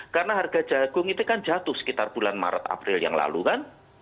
karena harga jagung itu kan jatuh sekitar bulan maret april yang lalu kan